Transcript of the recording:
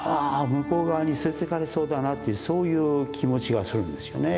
向こう側に連れていかれそうだなというそういう気持ちがするんですよね